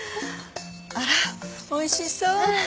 あらおいしそう。